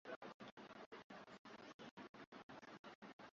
ningependa basi utuandikie ujumbe mfupi mbili tano tano